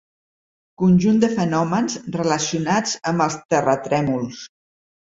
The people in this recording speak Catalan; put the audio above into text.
Conjunt de fenòmens relacionats amb els terratrèmols.